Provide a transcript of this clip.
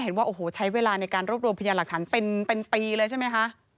ตอนนี้เห็นว่าใช้เวลาในการรบรวมพิจารณ์หลักฐานเป็นปีเลยใช่ไหมคะ